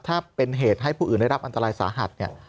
ถ้าเป็นเหตุให้ผู้อื่นได้รับอันตรายสาหัสเนี่ย